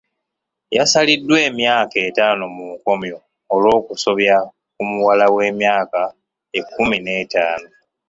Yasaliddwa emyaka etaano mu nkomyo olw'okusobya ku muwala w'emyaka ekkumi n'etaano.